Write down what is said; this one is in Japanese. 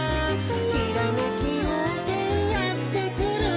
「ひらめきようせいやってくる」